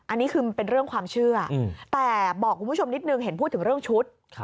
อันนี้คือเป็นเรื่องความเชื่อแต่บอกคุณผู้ชมนิดนึงเห็นพูดถึงเรื่องชุด